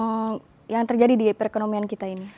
apa yang terjadi di perekonomian kita ini